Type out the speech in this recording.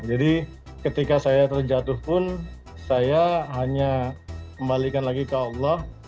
jadi ketika saya terjatuh pun saya hanya kembalikan lagi ke allah